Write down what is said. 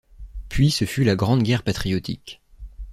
Puis ce fut la grande guerre patriotique.